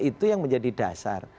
itu yang menjadi dasar